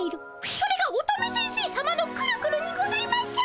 それが乙女先生さまのくるくるにございます！